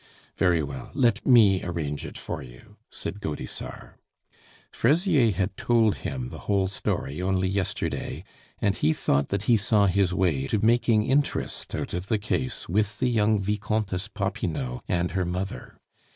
"Very well. Let me arrange it for you," said Gaudissart. Fraisier had told him the whole story only yesterday, and he thought that he saw his way to making interest out of the case with the young Vicomtesse Popinot and her mother.